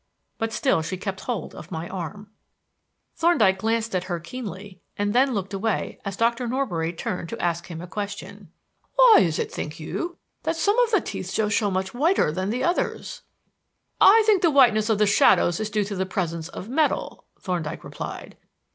But still she kept hold of my arm. Thorndyke glanced at her keenly and then looked away as Dr. Norbury turned to ask him a question. "Why is it, think you, that some of the teeth show so much whiter than others?" "I think the whiteness of the shadows is due to the presence of metal," Thorndyke replied.